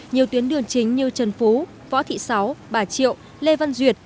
nhiều tuyến đường chính như trần phú võ thị sáu bà triệu lê văn duyệt